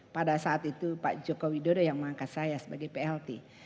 pada saat itu pak joko widodo yang mengangkat saya sebagai plt